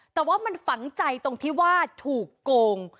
แต่ว่ามันฝังใจตรงที่ว่าถูกโกง